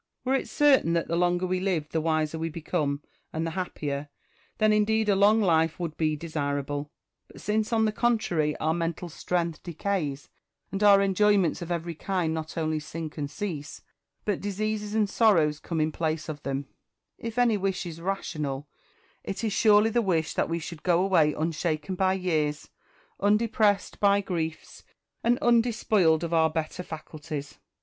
Were it certain that the longer we live the wiser we become and the happier, then indeed a long life would be desirable ; but since on the contrary our mental strength decays, and our enjoyments of every kind not only sink and cease, but diseases and sorrows come in place of them, if any wish is rational, it is surely the wish that we should go away unshaken by years, undepressed by griefs, and undespoiled of our better faculties.